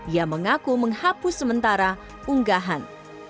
ia mengaku menghapus sementara unggahan